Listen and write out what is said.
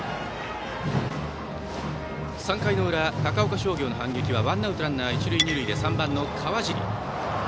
３回の裏、高岡商業の反撃はワンアウトランナー、一塁二塁で３番の川尻。